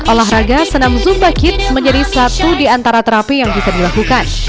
olahraga senam zumba kids menjadi satu di antara terapi yang bisa dilakukan